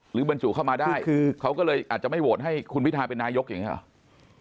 บรรจุเข้ามาได้คือเขาก็เลยอาจจะไม่โหวตให้คุณพิทาเป็นนายกอย่างนี้หรอ